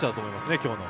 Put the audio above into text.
今日の。